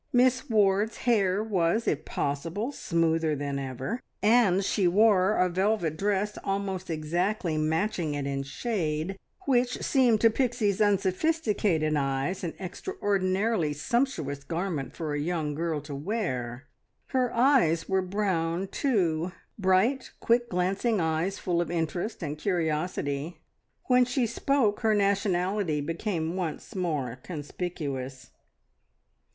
Miss Ward's hair was, if possible, smoother than ever, and she wore a velvet dress almost exactly matching it in shade, which seemed to Pixie's unsophisticated eyes an extraordinarily sumptuous garment for a young girl to wear. Her eyes were brown, too bright, quick glancing eyes full of interest and curiosity. When she spoke her nationality became once more conspicuous.